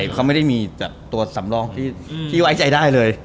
เขาไม่ได้มีตัวสำรองที่ไว้ใจได้เลย